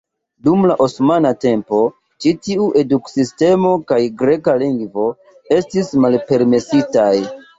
Dum la osmana tempo ĉi tiu eduk-sistemo kaj greka lingvo estis malpermesitaj.